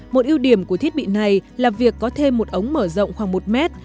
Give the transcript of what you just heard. một ưu điểm của thiết bị này là việc có thêm một ống mở rộng khoảng một mét